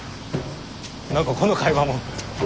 何かこの会話も。